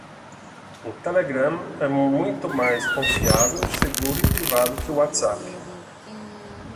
O Telegram é muito mais confiável, seguro e privado que o Whatsapp